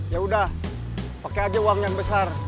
ya udah pakai aja uang yang besar